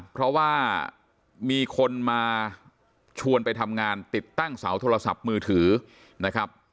เพราะว่ามีคนมาชวนไปทำงานติดตั้งเสาโทรศัพท์มือถือนะครับ